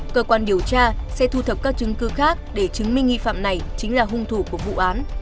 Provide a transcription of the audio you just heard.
cơ quan điều tra sẽ thu thập các chứng cư khác để chứng minh nghi phạm này chính là hung thủ của vụ án